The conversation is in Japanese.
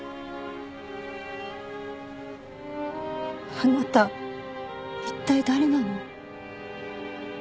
あなた一体誰なの？